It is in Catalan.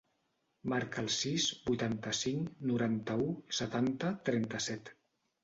Marca el sis, vuitanta-cinc, noranta-u, setanta, trenta-set.